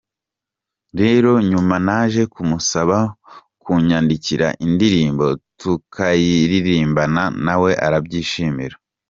Rero nyuma naje kumusaba kunyandikira indirimbo tukayiririmbana nawe arabyishimira.